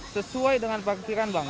sesuai dengan parkiran bang